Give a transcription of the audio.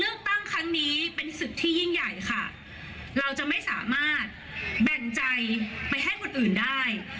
เลือกตั้งครั้งนี้เป็นศึกที่ยิ่งใหญ่ค่ะเราจะไม่สามารถแบ่งใจไปให้คนอื่นได้